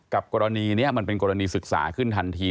กรณีนี้มันเป็นกรณีศึกษาขึ้นทันที